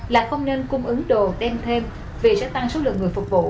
là không nên cung ứng đồ tem thêm vì sẽ tăng số lượng người phục vụ